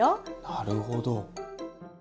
なるほど。